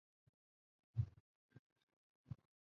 米罗蒙。